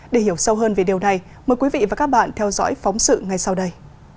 để hiểu sâu hơn về điều này mời quý vị và các bạn theo dõi phóng sự ngay sau đây